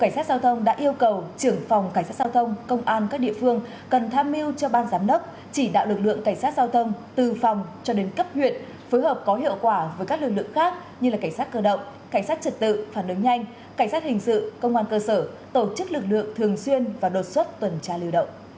cảnh sát giao thông đã yêu cầu trưởng phòng cảnh sát giao thông công an các địa phương cần tham mưu cho ban giám đốc chỉ đạo lực lượng cảnh sát giao thông từ phòng cho đến cấp huyện phối hợp có hiệu quả với các lực lượng khác như cảnh sát cơ động cảnh sát trật tự phản ứng nhanh cảnh sát hình sự công an cơ sở tổ chức lực lượng thường xuyên và đột xuất tuần tra lưu động